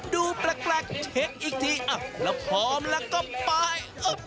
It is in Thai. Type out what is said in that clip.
ดูแปลกเช็คอีกทีแล้วพร้อมแล้วก็ไป